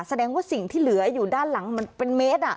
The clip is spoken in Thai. แสดงว่าสิ่งที่เหลืออยู่ด้านหลังมันเป็นเมตร